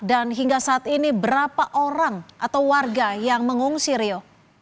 dan hingga saat ini berapa orang atau warga yang mengungsir rio